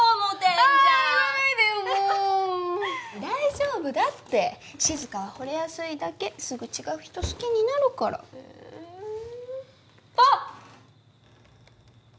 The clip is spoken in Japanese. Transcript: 言わないでよもう大丈夫だって静香はほれやすいだけすぐ違う人好きになるからえあっ！